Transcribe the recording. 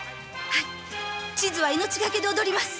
はい千津は命懸けで踊ります。